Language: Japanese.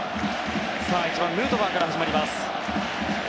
１番ヌートバーから始まります。